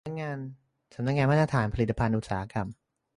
สำนักงานมาตรฐานผลิตภัณฑ์อุตสาหกรรม